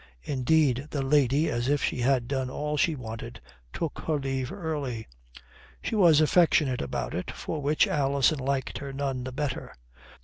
Indeed, the lady, as if she had done all she wanted, took her leave early. She was affectionate about it, for which Alison liked her none the better.